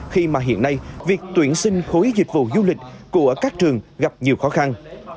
khi mà hiện nay việc tuyển sinh khối dịch vụ du lịch của các trường gặp nhiều khó khăn